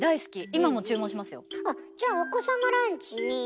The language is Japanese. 今も注文しますよ。